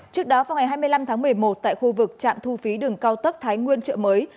trước đó vào ngày hai mươi năm tháng một mươi một tại khu vực trạm thu phí đường cao tốc thái nguyên chợ mới